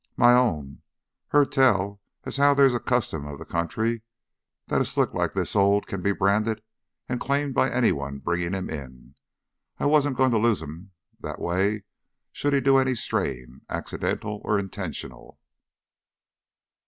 "My own. Heard tell as how there's a custom of the country that a slick this old can be branded and claimed by anyone bringing him in. I wasn't going to lose him that way should he do any straying, accidental or intentional."